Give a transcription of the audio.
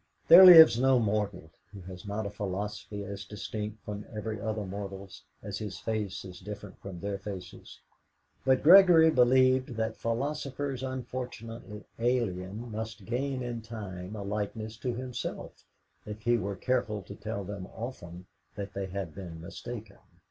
There lives no mortal who has not a philosophy as distinct from every other mortal's as his face is different from their faces; but Gregory believed that philosophers unfortunately alien must gain in time a likeness to himself if he were careful to tell them often that they had been mistaken.